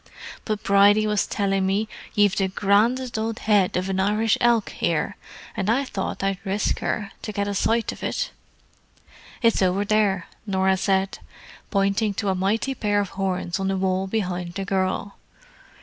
But Bridie was tellin' me ye've the grandest ould head of an Irish elk here, and I thought I'd risk her, to get a sight of it." "It's over there," Norah said, pointing to a mighty pair of horns on the wall behind the girl.